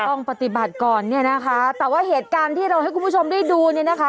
ต้องปฏิบัติก่อนเนี่ยนะคะแต่ว่าเหตุการณ์ที่เราให้คุณผู้ชมได้ดูเนี่ยนะคะ